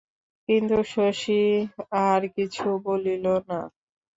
কিন্তু শশী আর কিছু বলিল না।